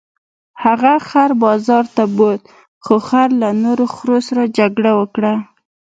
هغه خر بازار ته بوت خو خر له نورو خرو سره جګړه وکړه.